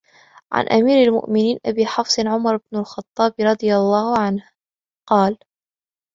عن أميرِ المؤمنينَ أبي حفصٍ عمرَ بنِ الخطَّابِ رَضِي اللهُ عَنْهُ قال: